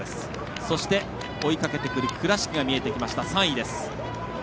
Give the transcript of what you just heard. そして、追いかけてくる倉敷が見えてきました、３位。